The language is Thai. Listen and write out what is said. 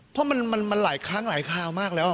เพราะมันหลายครั้งหลายคราวมากแล้ว